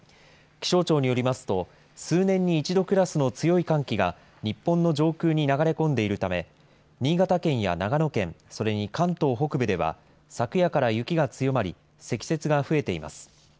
気象庁によりますと、数年に一度クラスの強い寒気が、日本の上空に流れ込んでいるため、新潟県や長野県、それに関東北部では、昨夜から雪が強まり、積雪が増えています。